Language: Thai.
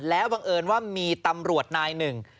แล้วบังเอิญว่ามีตำรวจนายหนึ่ง